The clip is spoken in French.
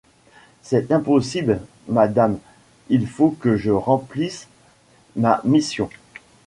C’est impossible, Madame, il faut que je remplisse ma mission.